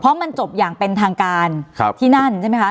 เพราะมันจบอย่างเป็นทางการที่นั่นใช่ไหมคะ